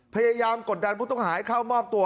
พยายามกดดันพวกต้องหาให้เข้ามอบตัว